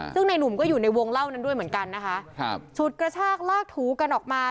ซึ่งในหนุ่มก็อยู่ในวงเล่านั้นด้วยเหมือนกันนะคะครับฉุดกระชากลากถูกันออกมา